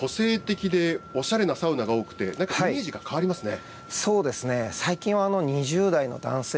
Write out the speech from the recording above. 大津さん、個性的でおしゃれなサウナが多くて、なんかイメージが変わりますね。